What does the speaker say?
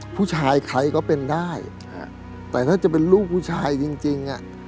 ผู้ชายใครก็เป็นได้แต่ถ้าจะเป็นลูกผู้ชายจริงอ่ะ